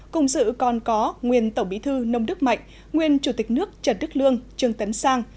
cùng dự còn có nguyên tổng bí thư nông đức mạnh nguyên chủ tịch nước trần đức lương trương tấn sang